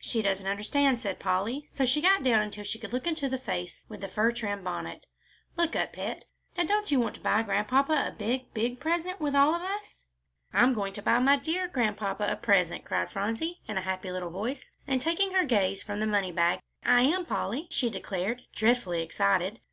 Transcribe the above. "She doesn't understand," said Polly, so she got down until she could look into the face within the fur trimmed bonnet. "Look up, pet; now don't you want to buy Grandpapa a big, big present with all of us?" "I'm going to buy my dear Grandpapa a present," cried Phronsie, in a happy little voice, and, taking her gaze from the money bag, "I am, Polly," she declared, dreadfully excited.